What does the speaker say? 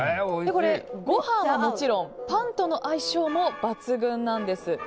これ、ご飯はもちろんパンとの相性も抜群なんです。